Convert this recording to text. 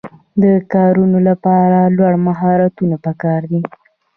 د کارونو لپاره لوړ مهارتونه پکار دي.